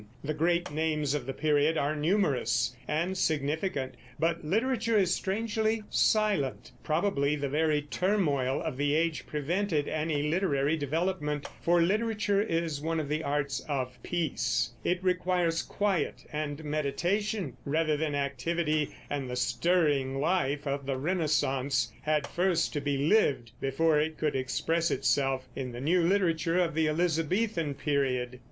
The great names of the period are numerous and significant, but literature is strangely silent. Probably the very turmoil of the age prevented any literary development, for literature is one of the arts of peace; it requires quiet and meditation rather than activity, and the stirring life of the Renaissance had first to be lived before it could express itself in the new literature of the Elizabethan period.